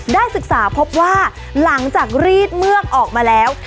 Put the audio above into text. ได้ศึกษาพบว่าหลังจากรีดเมือกออกมาแล้ว